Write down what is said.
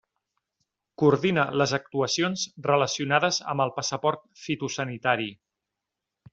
Coordina les actuacions relacionades amb el passaport fitosanitari.